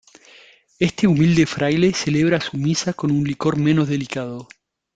este humilde fraile celebra su misa con un licor menos delicado.